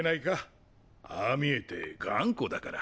ああ見えて頑固だから。